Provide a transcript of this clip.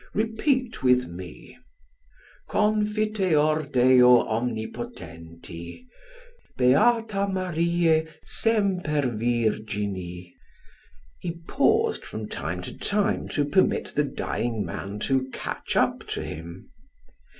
Repeat with me: 'Confiteor Deo omnipotenti; Beata Mariae semper virgini.'" He paused from time to time to permit the dying man to catch up to him.